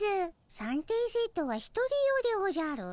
三点セットは１人用でおじゃる。